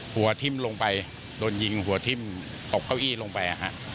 หัวทิ้มลงไปโดนยิงหัวทิ้มตกเก้าอี้ลงไป